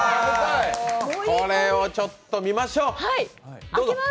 これはちょっと見ましょう！